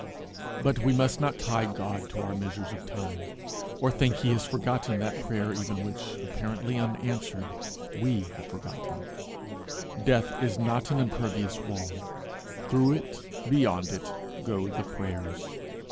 But we must not tie God to our measures of time, or think he has forgotten that prayer even which, apparently unanswered, we have forgotten. Death is not an impervious wall; through it, beyond it, go the prayers.